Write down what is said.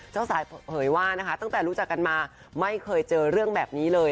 เจ้าสายเผยว่านะคะตั้งแต่รู้จักกันมาไม่เคยเจอเรื่องแบบนี้เลย